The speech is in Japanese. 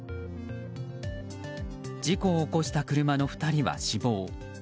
事故を起こした車の２人は死亡。